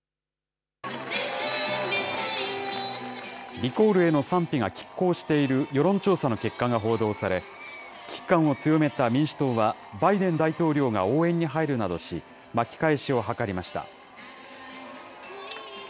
リコールへの賛否がきっ抗している世論調査の結果が報道され、危機感を強めた民主党はバイデン大統領が応援に入るなどし、巻き返しを図りました。